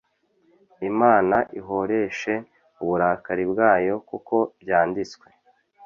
Imana ihoreshe uburakari bwayo kuko byanditswe